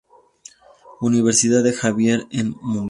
Universidad de Xavier en Mumbai.